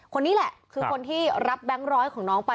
คนนี้แหละคือคนที่รับแบงค์ร้อยของน้องไป